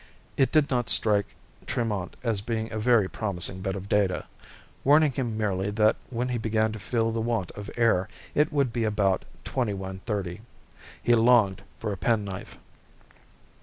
It did not strike Tremont as being a very promising bit of data warning him merely that when he began to feel the want of air, it would be about 21:30. He longed for a pen knife.